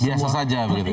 biasa saja begitu